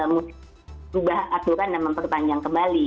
mudah aturan dan mempertanjang kembali